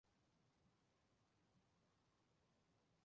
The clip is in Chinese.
法名为权大僧都法印宗方。